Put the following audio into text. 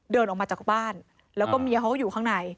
เดินออกมาจากบ้านแล้วก็เมียเขาก็อยู่ข้างใน